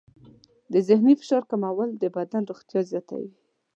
د ذهني فشار کمول د بدن روغتیا زیاتوي.